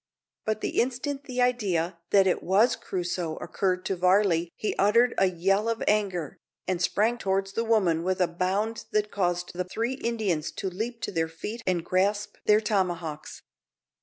But the instant the idea that it was Crusoe occurred to Varley he uttered a yell of anger, and sprang towards the woman with a bound that caused the three Indians to leap to their feet and grasp their tomahawks.